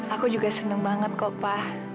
aku juga senang banget kopah